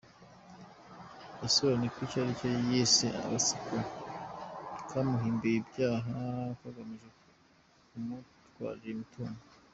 Yasobanuye ko ari icyo yise agatsiko kamuhimbiye ibyaha kagamije kumutwarira imitungo.